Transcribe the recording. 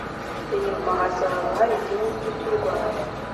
inyuma hazaba hari igihugu cy’u Rwanda”